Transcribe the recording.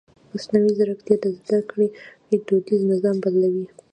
مصنوعي ځیرکتیا د زده کړې دودیز نظام بدلوي.